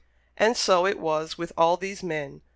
But so it was with all these men.